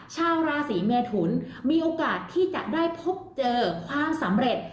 ชาวราศีเมทุนมีโอกาสที่จะได้พบเจอความสำเร็จ